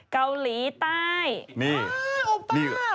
กาหลีใต้